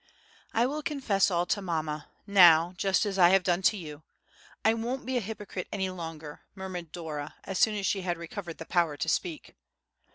"I will confess all to mamma, now, just as I have done to you—I won't be a hypocrite any longer," murmured Dora, as soon as she had recovered power to speak.